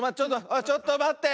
おいちょっとまって！